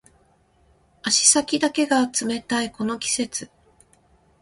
足先だけが冷たいこの季節